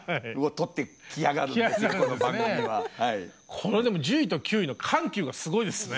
これでも１０位と９位の緩急がすごいですね。